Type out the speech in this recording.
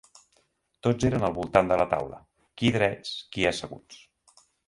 Tots eren al voltant de la taula, qui drets, qui asseguts.